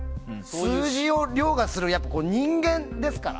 数字を凌駕する人間ですから。